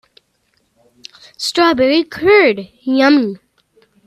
Strawberry curd, yummy!